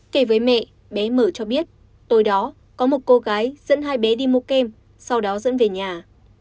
kể với mẹ bé mở cho biết tôi đó có một cô gái dẫn hai bé đi mua kem sau đó dẫn về nhà